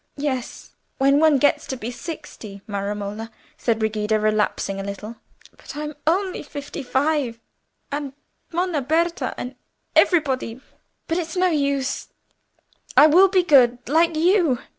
"Yes, when one gets to be sixty, my Romola," said Brigida, relapsing a little; "but I'm only fifty five, and Monna Berta, and everybody—but it's no use: I will be good, like you.